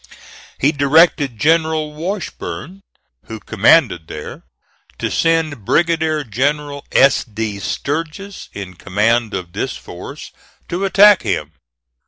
He directed General Washburn, who commanded there, to send Brigadier General S. D. Sturgis in command of this force to attack him.